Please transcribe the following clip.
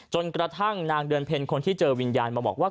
จนกระทั่งนางเดือนเพ็ญคนที่เจอวิญญาณมาบอกว่า